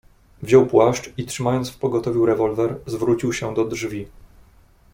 "Wziął płaszcz i trzymając w pogotowiu rewolwer, zwrócił się do drzwi."